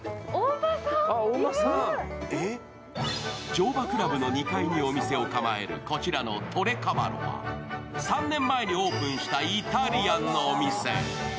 乗馬クラブの２階にお店を構えるこちらのトレカバロは、３年前にオープンしたイタリアンのお店。